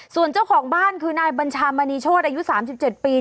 ส่วนเจ้าของบ้านคือนายบัญชามณีโชธอายุ๓๗ปี